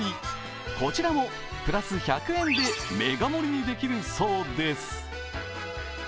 こちらもプラス１００円でメガ盛りにできるそうです。